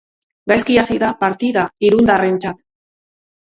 Gaizki hasi da partida irundarrentzat.